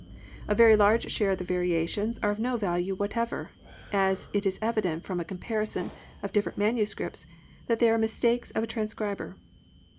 A very large share of the variations are of no value whatever, as it is evident from a comparison of different manuscripts that they are mistakes of a transcriber.